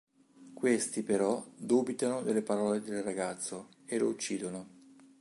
Questi però dubitano delle parole del ragazzo e lo uccidono.